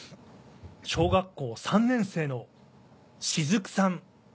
小学校３年生のしずくさん。